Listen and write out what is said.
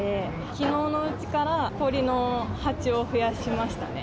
きのうのうちから氷の発注を増やしましたね。